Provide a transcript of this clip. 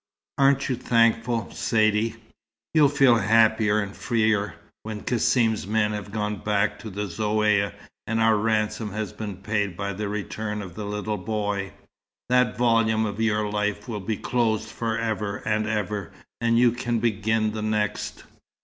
"Aren't you thankful, Saidee? You'll feel happier and freer, when Cassim's men have gone back to the Zaouïa, and our ransom has been paid by the return of the little boy. That volume of your life will be closed for ever and ever, and you can begin the next."